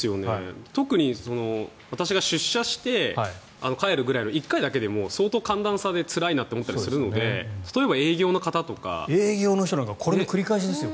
特に私が出社して帰るぐらいの、１回だけでも相当、寒暖差でつらいなって思ったりするので例えば営業の方とか。営業の人とかこれの繰り返しですね。